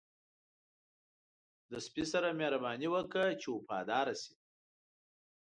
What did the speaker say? سپي ته مهرباني وکړه، وفاداره شي.